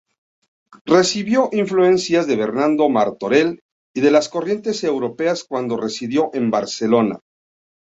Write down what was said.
Recibió influencias de Bernardo Martorell y de las corrientes europeas cuando residió en Barcelona.